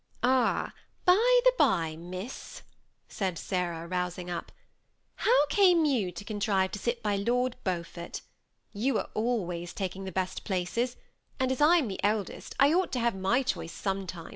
" Ah, by the by, miss," said Sarah, rousing up, " how came you to contrive to sit by Lord Beaufort ? You are always taking the best places ; and as I am the eldest, I ought to have my choice sometimes."